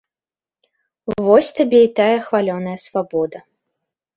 Вось табе і тая хвалёная свабода!